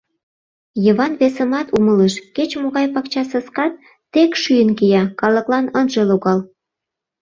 Йыван весымат умылыш: кеч-могай пакчасаскат тек шӱйын кия — калыклан ынже логал.